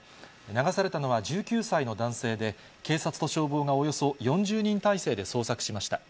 流されたのは１９歳の男性で、警察と消防がおよそ４０人態勢で捜索しました。